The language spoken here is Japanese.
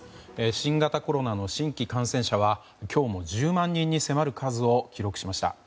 新型コロナの集団感染者は今日も１０万人に迫る数を記録しました。